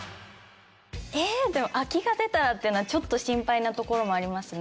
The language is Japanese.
でも空きが出たらっていうのは心配なところもありますね。